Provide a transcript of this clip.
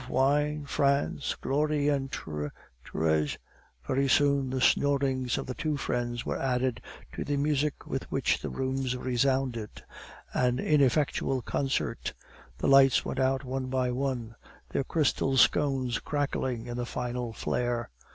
Wine! France! glory and tr treas " Very soon the snorings of the two friends were added to the music with which the rooms resounded an ineffectual concert! The lights went out one by one, their crystal sconces cracking in the final flare.